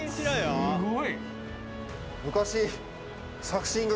すごい！